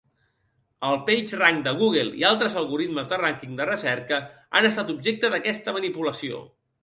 El PageRank de Google i altres algoritmes de rànquing de recerca han estat objecte d'aquesta manipulació.